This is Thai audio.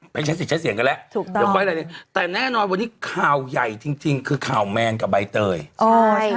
ไปใช้สิใช้เสียงกันและถูกตอบแต่แน่นอนวันนี้ข้าวใหญ่จริงจริงคือข้าวแมงกับใบเตยอ๋อใช่